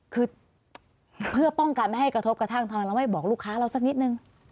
คือเพื่อป้องกันไม่ให้กระทบกระทั่งทำไมเราไม่บอกลูกค้าเราสักนิดนึง